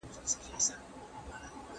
ملا خپل لاس رڼا ته نیسي.